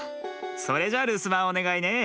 それじゃるすばんおねがいね。